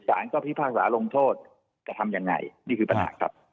สารก็พิพากษาลงโทษจะทำยังไงนี่คือปัญหาครับ